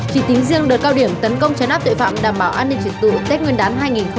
chỉ tính riêng đợt cao điểm tấn công trái nắp tội phạm đảm bảo an ninh trật tự tết nguyên đán hai nghìn hai mươi hai